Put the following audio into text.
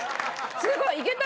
すごい！いけた？